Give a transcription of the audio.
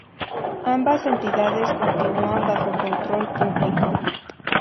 Ambas entidades continúan bajo control público.